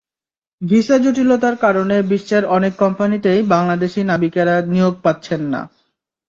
Visa জটিলতার কারণে বিশ্বের অনেক কোম্পানিতেই বাংলাদেশি নাবিকেরা নিয়োগ পাচ্ছেন না।